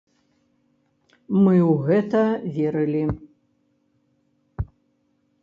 Мы ў гэта верылі!